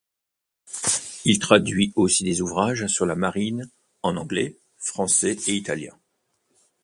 Il traduit aussi des ouvrages sur la marine en anglais, français et italien.